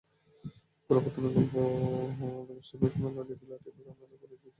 গোড়াপত্তনের গল্পদশমীর মেলা দেখেই লাঠিখেলার মেলা করার ইচ্ছা জাগে দেওগ্রামের অবস্থাপন্ন কৃষক পরিবারগুলোর।